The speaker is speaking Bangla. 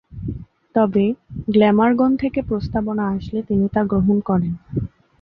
তবে, গ্ল্যামারগন থেকে প্রস্তাবনা আসলে তিনি তা গ্রহণ করেন।